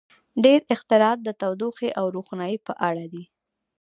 • ډېری اختراعات د تودوخې او روښنایۍ په اړه دي.